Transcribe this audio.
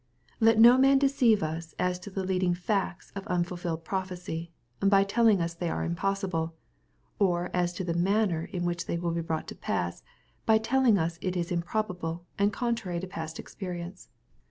Let no man deceive us as to the leading/ac#« of unful filled prophecy, by telling us they are impossible, — or as to the manner in which they will be brought to pass, by telling us it is improbable and contrary to past experi ence.